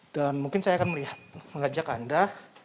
dan mungkin saya akan mengajak anda